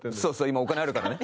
今お金あるからね。